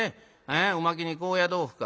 おまけに高野豆腐か。